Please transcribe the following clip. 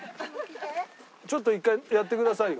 ちょっと１回やってくださいよ。